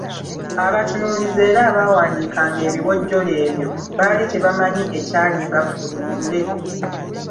Abatunuulizi era abawandiikanga ebiwojjolo ebyo, baali tebamanyi ekyalinga ku buli ttule.